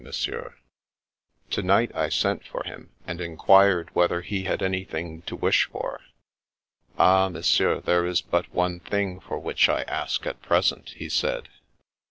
Monsieur !" To night I sent for him, and enquired whether he had anything to wish for. " Ah, Monsieur, there is but one thing for which I ask at present," he said.